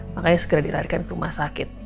makanya segera dilarikan ke rumah sakit